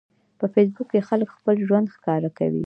په فېسبوک کې خلک خپل ژوند ښکاره کوي.